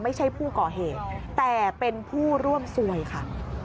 ไม่ใช่ผู้ก่อเหตุแต่เป็นผู้ร่วมซวยค่ะ